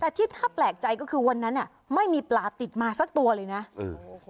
แต่ที่ถ้าแปลกใจก็คือวันนั้นอ่ะไม่มีปลาติดมาสักตัวเลยนะเออ